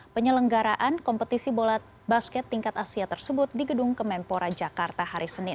penyelenggaraan kompetisi bola basket tingkat asia tersebut di gedung kemenpora jakarta hari senin